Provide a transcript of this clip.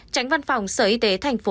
tránh văn phòng sở y tế tham gia